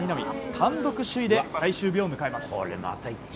単独首位で最終日を迎えます。